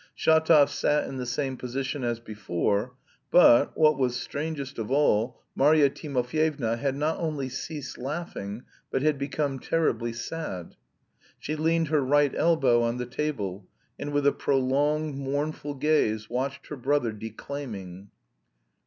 Shatov sat in the same position as before, but, what was strangest of all, Marya Timofyevna had not only ceased laughing, but had become terribly sad. She leaned her right elbow on the table, and with a prolonged, mournful gaze watched her brother declaiming.